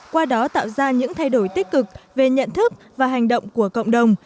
qua đó tạo ra những thay đổi tích cực về nhận thức và hành động của cộng đồng